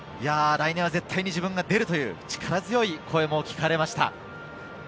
来年は絶対に自分が出るという力強い声も聞かれました。